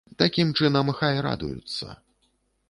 Такім чынам, хай радуюцца.